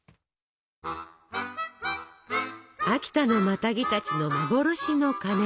秋田のマタギたちの幻のカネ。